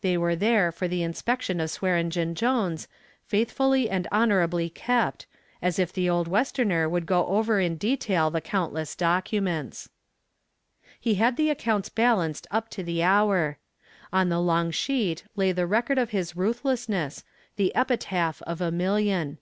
They were there for the inspection of Swearengen Jones, faithfully and honorably kept as if the old westerner would go over in detail the countless documents. He had the accounts balanced up to the hour. On the long sheet lay the record of his ruthlessness, the epitaph of a million.